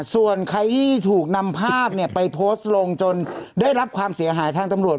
ส่วนใครที่ถูกนำภาพไปโพสต์ลงจนได้รับความเสียหายทางตำรวจ